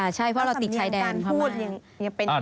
ใช่ค่ะใช่เพราะเราติดชายแดน